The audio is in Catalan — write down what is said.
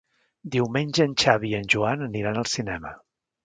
Diumenge en Xavi i en Joan aniran al cinema.